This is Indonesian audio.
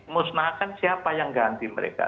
musnahkan siapa yang ganti mereka